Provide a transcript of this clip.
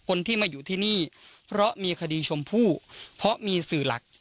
คนที่มาอยู่ที่นี่เพราะมีคดีชมพู่เพราะมีสื่อหลัก